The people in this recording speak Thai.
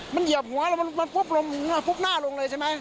มันเหยียบหัวแล้วมันพุกลงพุกหน้าลงเลยใช่ไหม